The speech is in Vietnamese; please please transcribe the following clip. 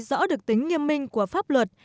rõ được tính nghiêm minh của pháp luật